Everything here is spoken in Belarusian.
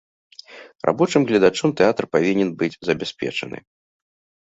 Рабочым гледачом тэатр павінен быць забяспечаны.